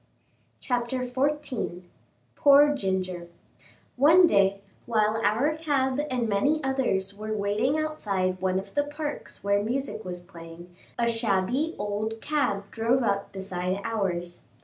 CHAPTER XIV POOR GINGER One day, while our cab and many others were waiting outside one of the parks where music was playing, a shabby old cab drove up beside ours.